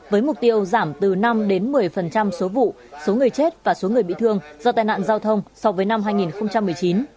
với mục tiêu giảm từ năm đến một mươi số vụ số người chết và số người bị thương do tai nạn giao thông so với năm hai nghìn một mươi chín